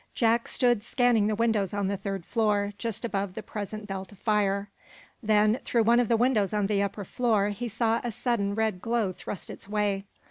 Jack stood scanning the windows on the third floor, just above the present belt of fire. Then, through one of the windows on the upper floor he saw a sudden red glow thrust its way.